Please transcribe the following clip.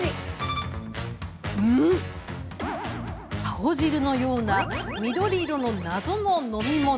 青汁のような緑色の謎の飲み物。